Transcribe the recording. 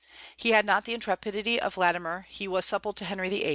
He had not the intrepidity of Latimer; he was supple to Henry VIII.